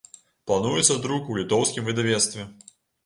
Плануецца друк у літоўскім выдавецтве.